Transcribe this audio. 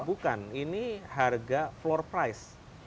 bukan ini harga floor price